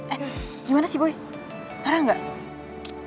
eh gimana sih boy parah nggak